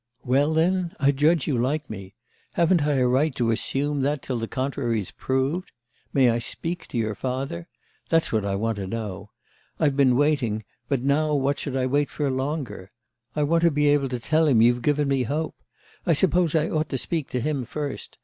Well, then, I judge you like me. Haven't I a right to assume that till the contrary's proved? May I speak to your father? That's what I want to know. I've been waiting, but now what should I wait for longer? I want to be able to tell him you've given me hope. I suppose I ought to speak to him first.